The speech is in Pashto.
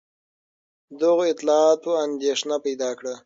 دغو اطلاعاتو اندېښنه پیدا کړه.